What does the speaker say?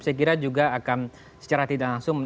saya kira juga akan secara tidak langsung